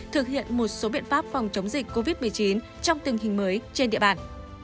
thực hiện một số biện pháp phòng chống dịch covid một mươi chín trong tình hình mới trên địa bàn